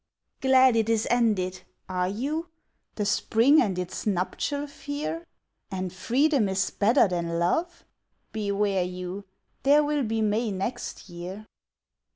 "Glad it is ended," are you? The Spring and its nuptial fear? "And freedom is better than love?" beware you, There will be May next year!